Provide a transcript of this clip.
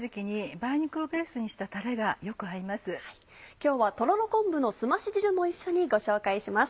今日は「とろろ昆布のすまし汁」も一緒にご紹介します。